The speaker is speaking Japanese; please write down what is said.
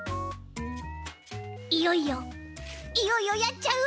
いよいよいよいよやっちゃう？